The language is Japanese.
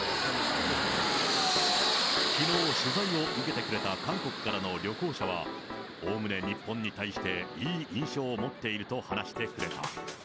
きのう、取材を受けてくれた韓国からの旅行者は、おおむね日本に対して、いい印象を持っていると話してくれた。